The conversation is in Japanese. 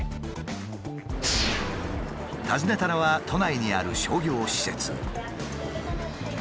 訪ねたのは都内にある商業施設。